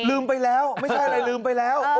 ไปแล้วไม่ใช่อะไรลืมไปแล้ว